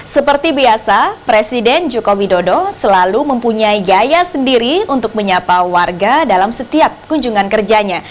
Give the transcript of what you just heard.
seperti biasa presiden jokowi dodo selalu mempunyai gaya sendiri untuk menyapa warga dalam setiap kunjungan kerjanya